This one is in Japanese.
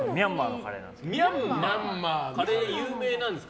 カレー、有名なんですか？